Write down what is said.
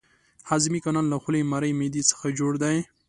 هضمي کانال له خولې، مرۍ، معدې څخه جوړ دی.